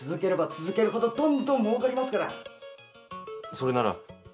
それなら。